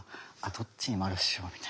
どっちに丸しようみたいな。